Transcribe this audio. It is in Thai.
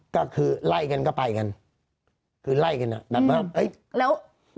ก็คือไล่กันก็ไปกันคือไล่กันอะแบบเฮ้ย